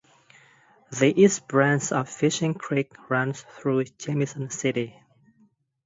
The East Branch of Fishing Creek runs through Jamison City.